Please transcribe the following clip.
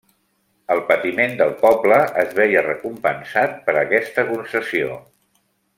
El patiment del poble es veia recompensat per aquesta concessió.